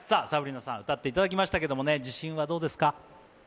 サブリナさん、歌っていただきましたけれども、自信はどうですか？